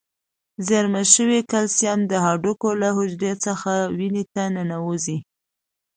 زیرمه شوي کلسیم د هډوکو له حجرو څخه وینې ته ننوزي.